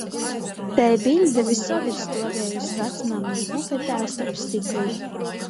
Tei biļde vysod ir stuoviejuse vacmamys bufetā storp styklim.